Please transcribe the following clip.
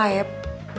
gagal membujuk bos saeb